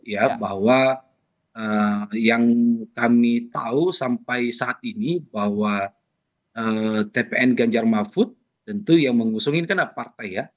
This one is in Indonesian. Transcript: ya bahwa yang kami tahu sampai saat ini bahwa tpn ganjar mahfud tentu yang mengusung ini kan partai ya